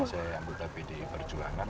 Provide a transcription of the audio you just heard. karena saya anggota bdi perjuangan